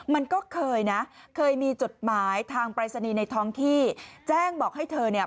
มันก็เคยนะเคยมีจดหมายทางปรายศนีย์ในท้องที่แจ้งบอกให้เธอเนี่ย